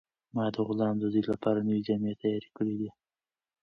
ما د غلام د زوی لپاره نوې جامې تیارې کړې دي.